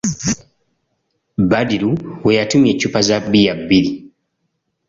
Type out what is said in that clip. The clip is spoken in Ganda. Badru we yatumya eccupa za bbiya bbiri.